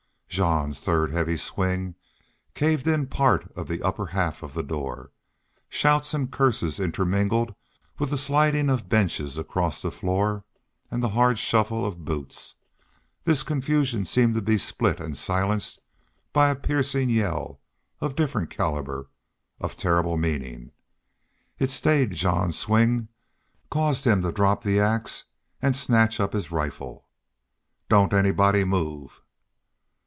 Jean's third heavy swing caved in part of the upper half of the door. Shouts and curses intermingled with the sliding of benches across the floor and the hard shuffle of boots. This confusion seemed to be split and silenced by a piercing yell, of different caliber, of terrible meaning. It stayed Jean's swing caused him to drop the ax and snatch up his rifle. "DON'T ANYBODY MOVE!"